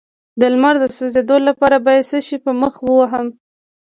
د لمر د سوځیدو لپاره باید څه شی په مخ ووهم؟